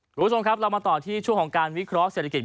คุณผู้ชมครับเรามาต่อที่ช่วงของการวิเคราะห์เศรษฐกิจ